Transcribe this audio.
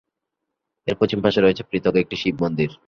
এর পশ্চিম পাশে রয়েছে পৃথক একটি শিব মন্দির।